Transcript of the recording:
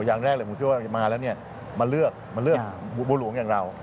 อย่างแรกเลยคุณผู้ชมมาแล้วมาเลือกบูฬหลวงอย่างเรา